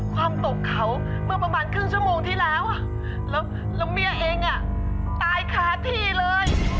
ความตกเขาเมื่อประมาณครึ่งชั่วโมงที่แล้วแล้วเมียเองตายคาที่เลย